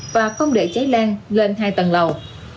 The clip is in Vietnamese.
và không để cháy lan lên hai tầng lầu